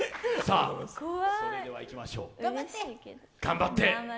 それではいきましょう、頑張って！